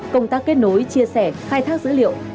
công tác kết nối chia sẻ khai thác dữ liệu